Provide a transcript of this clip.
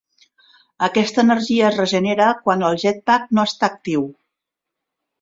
Aquesta energia es regenera quan el jetpack no està actiu.